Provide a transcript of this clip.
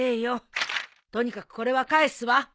とにかくこれは返すわ。